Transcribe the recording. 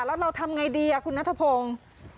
แล้วเราทำไงดีคุณนัทพงศ์